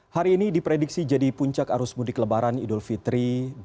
hari ini diprediksi jadi puncak arus mudik lebaran idul fitri dua ribu dua puluh